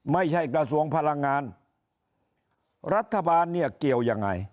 ไม่ใช่กระทรวงพลังงานรัฐบาลเนี่ยเกี่ยวยังไง